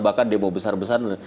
bahkan demo besar besar